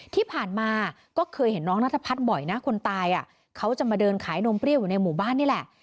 ที่ผ่านมาก็เคยเห็นน้องนัทพัฒน์บ่อยนะคนตายเขาจะมาเดินขายนมเปรี้ยวอยู่ในหมู่บ้านนี่แหละ